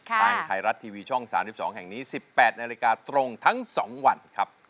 ทางไทยรัฐทีวีช่อง๓๒แห่งนี้๑๘นาฬิกาตรงทั้ง๒วันครับ